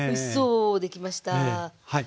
はい。